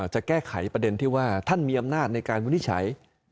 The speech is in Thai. จะแก้ไขประเด็นที่ว่าท่านมีอำนาจในการวินิจฉัย